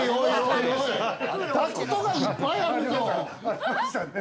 ダクトがいっぱいあるぞ。